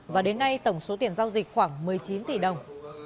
và đến nay tổng số tiền giao dịch khoảng một mươi chín tỷ đồng